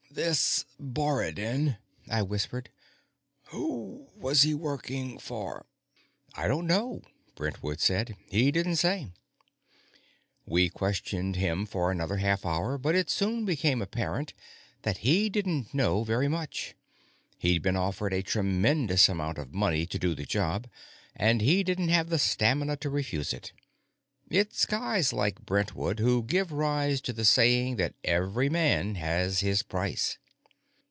"This Borodin," I whispered, "who was he working for?" "I don't know," Brentwood said. "He didn't say." We questioned him for another half hour, but it soon became apparent that he didn't know very much. He'd been offered a tremendous amount of money to do the job, and he didn't have the stamina to refuse it. It's guys like Brentwood who gave rise to the saying that every man has his price.